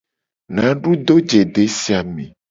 Nadu do je desi a me.